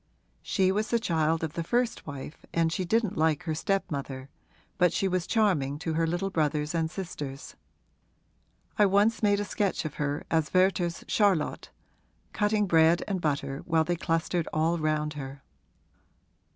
She was the child of the first wife and she didn't like her stepmother, but she was charming to her little brothers and sisters. I once made a sketch of her as Werther's Charlotte, cutting bread and butter while they clustered all round her.